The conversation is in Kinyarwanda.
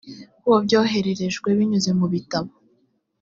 ku wo bwohererejwe binyuze mu bitabo